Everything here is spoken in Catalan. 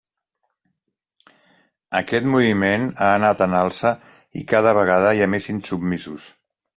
Aquest moviment ha anat en alça i cada vegada hi ha més insubmisos.